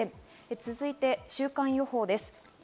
続いて週間予報です。